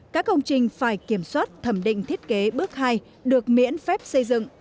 các công trình phải kiểm soát thẩm định thiết kế bước hai được miễn phép xây dựng